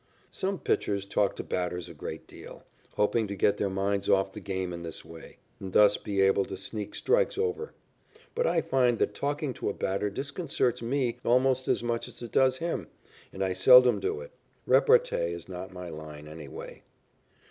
Some pitchers talk to batters a great deal, hoping to get their minds off the game in this way, and thus be able to sneak strikes over. But I find that talking to a batter disconcerts me almost as much as it does him, and I seldom do it. Repartee is not my line anyway.